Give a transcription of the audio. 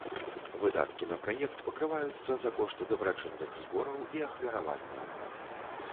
Выдаткі на праект пакрываюцца за кошт дабрачынных збораў і ахвяраванняў.